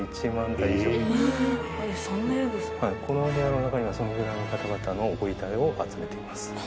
坂上さん：このお部屋の中にはそのぐらいの方々のご遺体を集めています。